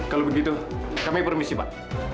kalau begitu kami permisi pak